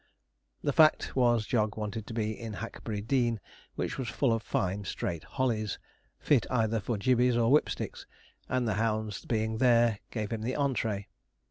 The fact was, Jog wanted to be into Hackberry Dean, which was full of fine, straight hollies, fit either for gibbeys or whip sticks, and the hounds being there gave him the entrée.